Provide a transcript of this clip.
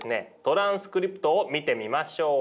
トランスクリプトを見てみましょう。